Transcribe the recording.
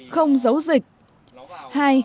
một không giấu dịch